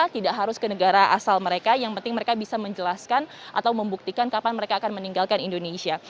tidak harus ke negara asal mereka yang penting mereka bisa menjelaskan atau membuktikan kapan mereka akan meninggalkan indonesia